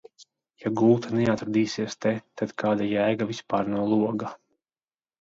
Ja gulta neatradīsies te, tad kāda jēga vispār no loga?